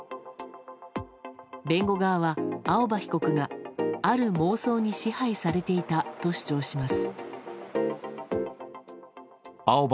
弁護側は、青葉被告がある妄想に支配されていたと主張します。